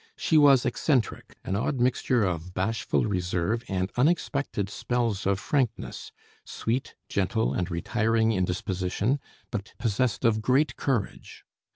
She was eccentric, an odd mixture of bashful reserve and unexpected spells of frankness, sweet, gentle, and retiring in disposition, but possessed of great courage.